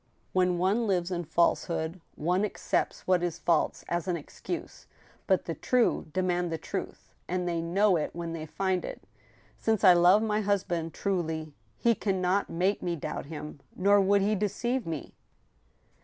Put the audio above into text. " When one lives in falsehood one accepts what is false as an excuse ; but the true demand the truth, and they know it when they find it. Since I love my husband truly, he can not make me doubt him ; nor would he deceive me."